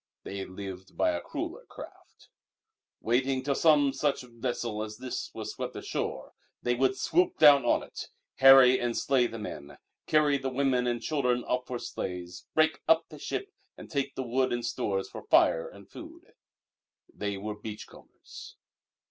They lived by a crueller craft. Waiting till some such vessel as this was swept ashore, they would swoop down on it, harry and slay the men, carry the women and children off for slaves, break up the ship and take the wood and stores for fire and food. They were beach combers.